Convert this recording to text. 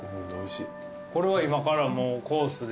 これは今からもうコースで？